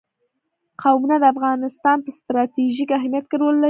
قومونه د افغانستان په ستراتیژیک اهمیت کې رول لري.